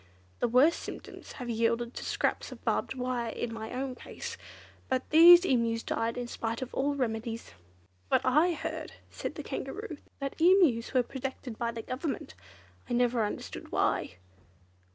The worst symptoms have yielded to scraps of barbed wire in my own case. But these Emus died in spite of all remedies." "But I heard," said the Kangaroo, "that Emus were protected by the Government. I never understood why."